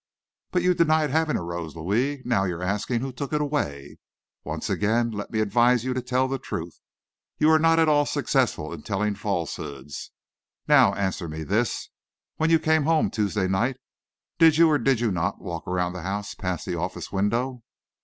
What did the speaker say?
"But you denied having a rose, Louis. Now you're asking who took it away. Once again, let me advise you to tell the truth. You're not at all successful in telling falsehoods. Now answer me this: When you came home Tuesday night, did you or did you not walk around the house past the office window?"